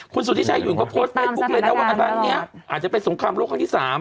คุณสุธิชายหยุ่นก็โพสเฟสบุ๊คเลยนะว่าอันนี้อาจจะเป็นสงครามโรคคล้างที่๓